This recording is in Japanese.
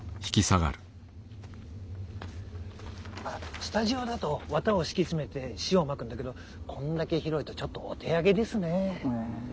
スタジオだと綿を敷き詰めて塩をまくんだけどこんだけ広いとちょっとお手上げですね。